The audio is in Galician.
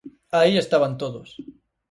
Aí estaban todos.